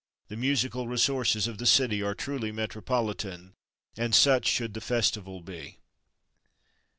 The musical resources of the city are truly "metropolitan," and such should the festival be.